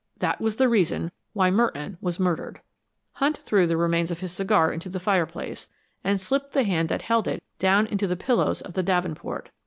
That was the reason why Merton was murdered." Hunt threw the remains of his cigar into the fireplace, and slipped the hand that had held it down into the pillows of the davenport.